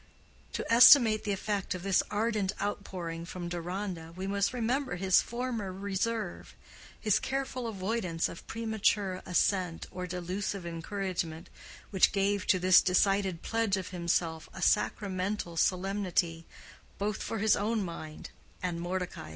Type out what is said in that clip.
To estimate the effect of this ardent outpouring from Deronda we must remember his former reserve, his careful avoidance of premature assent or delusive encouragement, which gave to this decided pledge of himself a sacramental solemnity, both for his own mind and Mordecai's.